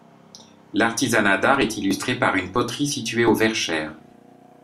L'artisanat d'art est illustré par une poterie située aux Verchères.